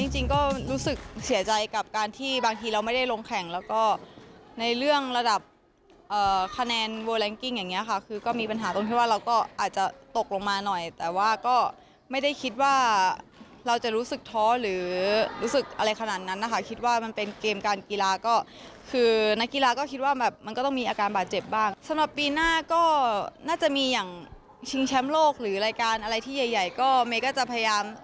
แชมป์โลกหรือรายการอะไรที่ใหญ่ก็เมริกาจะพยายาม